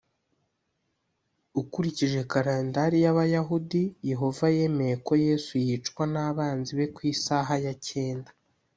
ukurikije kalendari y Abayahudi Yehova yemeye ko Yesu yicwa n abanzi be ku isaha ya cyenda